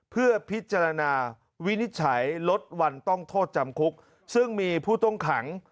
เพื่อพิจารณาวินิจฉัยลดวันต้องโทษจำคุกซึ่งมีผู้ต้องขัง